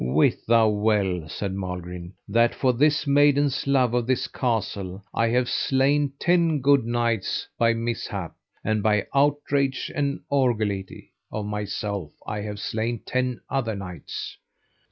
Wit thou well, said Malgrin, that for this maiden's love, of this castle, I have slain ten good knights by mishap; and by outrage and orgulité of myself I have slain ten other knights.